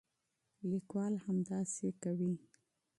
لیکوال همداسې کوي.